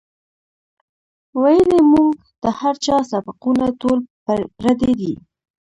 وئیلـي مونږ ته هـر چا سبقــونه ټول پردي دي